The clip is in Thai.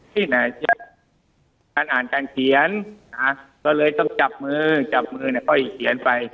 ที่ไหนอ่านการเขียนก็เลยต้องจับมือจับมือก็อีกเขียนไป